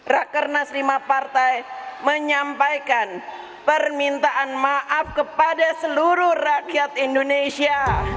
rakernas lima partai menyampaikan permintaan maaf kepada seluruh rakyat indonesia